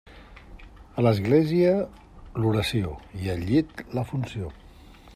A l'església l'oració i al llit la funció.